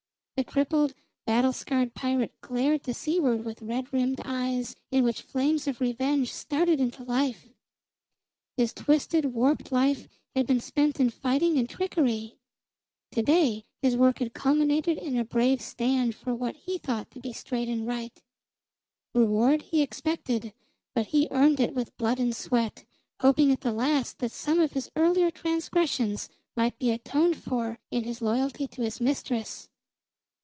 The crippled, battle scarred pirate glared to seaward with red rimmed eyes in which flames of revenge started into life. His twisted, warped life had been spent in fighting and trickery; to day his work had culminated in a brave stand for what he thought to be straight and right; reward he expected, but he had earned it with blood and sweat, hoping at the last that some of his earlier transgressions might be atoned for in his loyalty to his mistress.